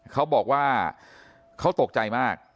เขาบอกว่าเขาตกใจมาก